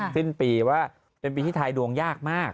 สิ้นปีว่าเป็นปีที่ทายดวงยากมาก